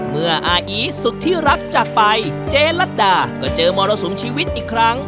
เมื่ออาอีสุดที่รักจากไปเจ๊ลัดดาก็เจอมรสุมชีวิตอีกครั้ง